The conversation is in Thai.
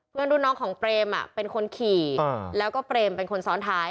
รุ่นน้องของเปรมเป็นคนขี่แล้วก็เปรมเป็นคนซ้อนท้าย